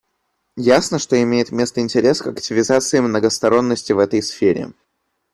Ясно, что имеет место интерес к активизации многосторонности в этой сфере.